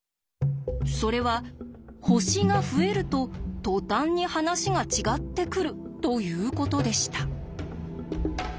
それは星が増えると途端に話が違ってくるということでした。